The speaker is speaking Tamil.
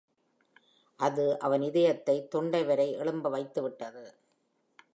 அது அவன் இதயத்தை தொண்டை வரை எழும்ப வைத்துவிட்டது.